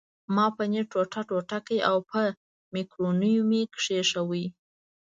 ما پنیر ټوټه ټوټه کړ او په مکرونیو مې کښېښود.